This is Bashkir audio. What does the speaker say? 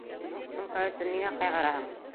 Ул буш сумка өсөн ниңә ҡайғыраһың?